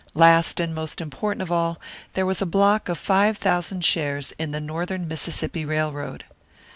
Last and most important of all, there was a block of five thousand shares in the Northern Mississippi Railroad.